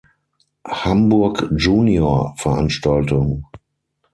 Hamburg Junior"-Veranstaltung.